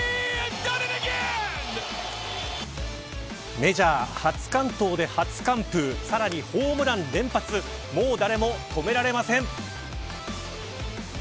メジャー初完投で初完封さらにホームラン連発もう誰も止められません。